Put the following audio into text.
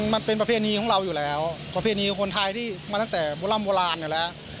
มันเป็นประเพณีของเราอยู่แล้วประเพณีคนไทยที่มาตั้งแต่โบร่ำโบราณอยู่แล้ว